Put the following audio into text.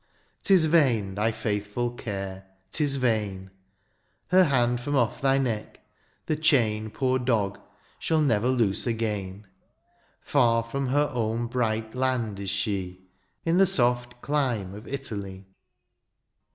^s vain, thy faithful care, ^tis vain ; Her hand, from off thy neck, the chain, Ppor dog, shall never loose again : Far from her own bright land is she. In the soft clime of Italy.